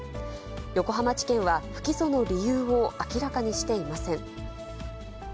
横浜地検は、不起訴の理由を明らかにしていません。